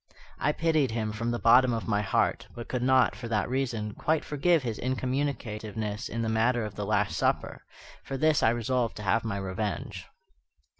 I pitied him from the bottom of my heart, but could not, for that reason, quite forgive his incommunicativeness in the matter of the Last Supper. For this I resolved to have my revenge.